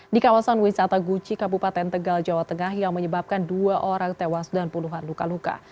di kawasan wisata guci kabupaten tegal jawa tengah yang menyebabkan dua orang tewas dan puluhan luka luka